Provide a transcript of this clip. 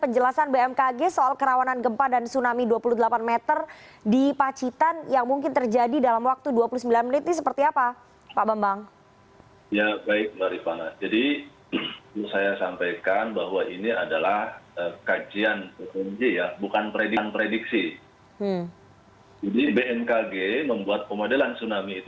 pemerintah daerah yang terjadi di pacitan jawa timur akan terjadi dalam waktu dua puluh sembilan menit